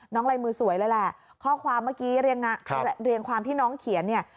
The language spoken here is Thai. ลายมือสวยเลยแหละข้อความเมื่อกี้เรียงความที่น้องเขียนเนี่ย